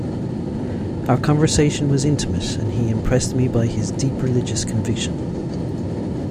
Our conversation was intimate and he impressed me by his deep religious conviction.